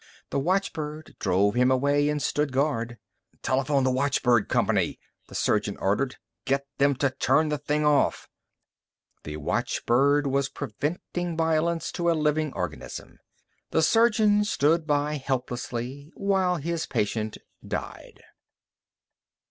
The watchbird drove him away and stood guard. "Telephone the watchbird company!" the surgeon ordered. "Get them to turn the thing off." The watchbird was preventing violence to a living organism. The surgeon stood by helplessly while his patient died.